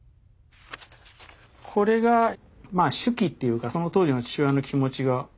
これがまあ手記っていうかその当時の父親の気持ちが。